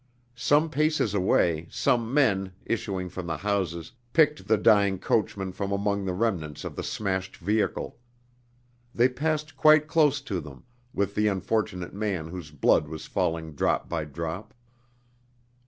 Some paces away some men, issuing from the houses, picked the dying coachman from among the remnants of the smashed vehicle; they passed quite close to them with the unfortunate man whose blood was falling drop by drop.